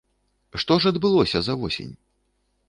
Што ж адбылося за восень?